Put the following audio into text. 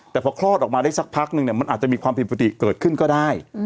แต่พอคลอดออกมาได้สักพักนึงเนี่ยมันอาจจะมีความผิดปกติเกิดขึ้นก็ได้